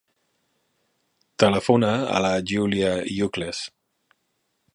Telefona a la Giulia Ucles.